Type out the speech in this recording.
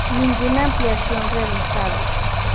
Ninguna ampliación realizada.